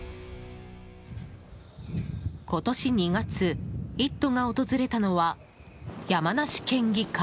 今年２月、「イット！」が訪れたのは山梨県議会。